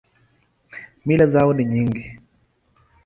Mila zao ni nyingi.